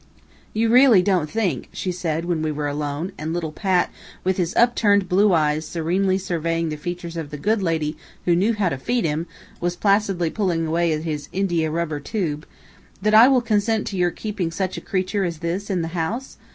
"You really don't think," she said, when we were alone, and little Pat, with his upturned blue eyes serenely surveying the features of the good lady who knew how to feed him, was placidly pulling away at his india rubber tube, "that I will consent to your keeping such a creature as this in the house?